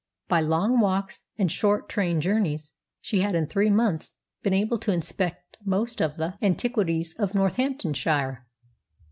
By long walks and short train journeys she had, in three months, been able to inspect most of the antiquities of Northamptonshire.